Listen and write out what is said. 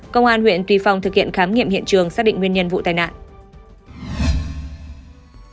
công an huyện tuy phong thực hiện khám nghiệm hiện trường xác định nguyên nhân vụ tai nạn